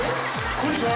こんにちは